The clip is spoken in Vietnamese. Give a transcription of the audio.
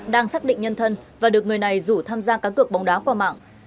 đang xác định nhân thân và được người này rủ tham gia cá cược bóng đá qua mạng